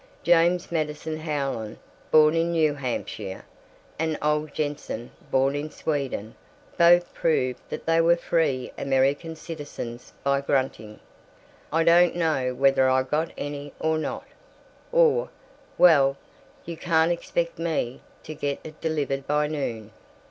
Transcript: James Madison Howland, born in New Hampshire, and Ole Jenson, born in Sweden, both proved that they were free American citizens by grunting, "I don't know whether I got any or not," or "Well, you can't expect me to get it delivered by noon."